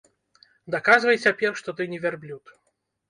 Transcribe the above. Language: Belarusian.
Даказвай цяпер, што ты не вярблюд.